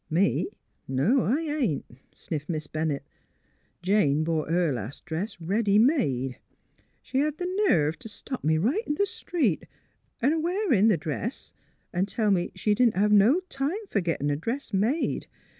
" ''Me? No. I ain't," sniffed Miss Bennett. *' Jane bought her last dress ready made. She hed th' nerve t' stop me right in th' street — her a wearin' th' dress — an' tell me she didn't hev no time fer gittin' a dress made.